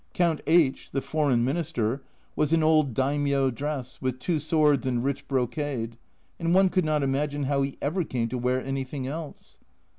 Count H (the foreign minister) was in old daimio dress, with two swords and rich brocade and one could not imagine how he ever came to wear anything else